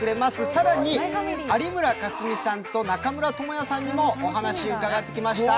更に有村架純さんと中村倫也さんにもお話を伺ってきました。